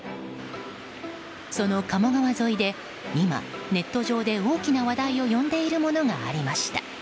その鴨川で今、ネット上で大きな話題を呼んでいるものがありました。